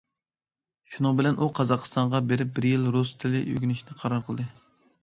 شۇنىڭ بىلەن ئۇ قازاقىستانغا بېرىپ بىر يىل رۇس تىلى ئۆگىنىشنى قارار قىلدى.